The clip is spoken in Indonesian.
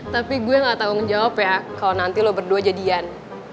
tapi gue gak tanggung jawab ya kalau nanti lo berdua jadian